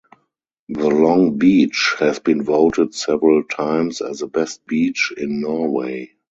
The long beach has been voted several times as the best beach in Norway.